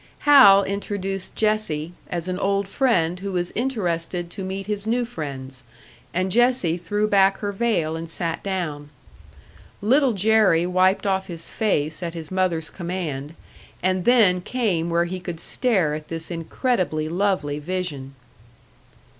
Hal introduced Jessie, as an old friend who was interested to meet his new friends, and Jessie threw back her veil and sat down. Little Jerry wiped off his face at his mother's command, and then came where he could stare at this incredibly lovely vision.